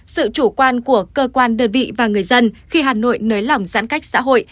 sự chủ quan của cơ quan đơn vị và người dân khi hà nội nới lỏng giãn cách xã hội